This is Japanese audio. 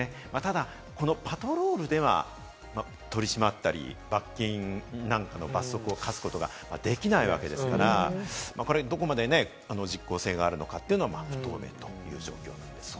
ただ、パトロールでは取り締まったり、罰金なんかの罰則を科すことができないわけですから、どこまで実効性があるのかというのは不透明という状況なんです。